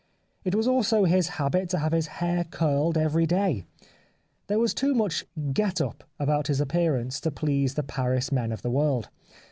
It was also his habit to have his hair curled every day. There was too much " get up " about his appearance to please the Paris men of the world.